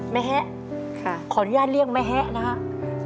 แฮขออนุญาตเรียกแม่แฮะนะครับ